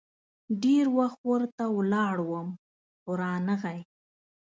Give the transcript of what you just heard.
ډېر وخت ورته ولاړ وم ، خو رانه غی.